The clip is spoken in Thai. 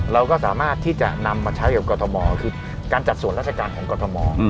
เราก็สามารถที่จะนำมาใช้กับกรทมคือการจัดส่วนราชการของกรทม